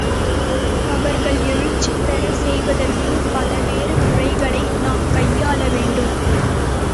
அவர்கள் எழுச்சிபெறச் செய்வதற்கு பலவேறு முறைகளை நாம் கையாள வேண்டும்.